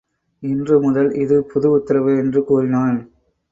இன்று முதல் இது புது உத்தரவு என்று கூறினான்.